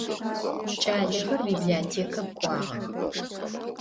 Кӏалэхэр библиотекэм кӏуагъэх.